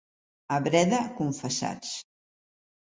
A Breda, confessats.